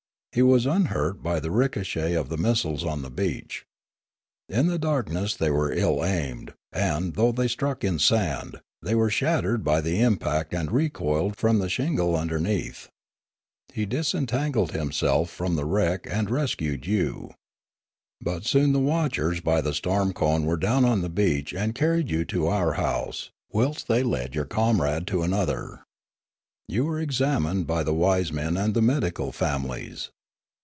He was unhurt by the ricochet of the missiles on the beach. In the darkness they were ill aimed, and, though they struck in sand, they were shattered by the impact and recoiled from the shingle underneath. He disentan gled himself from the wreck and rescued you. But soon the watchers by the storm cone were down on the beach and carried you to our house, whilst they led your comrade to another. You were each examined 8 Limanora by the wise men and the medical families.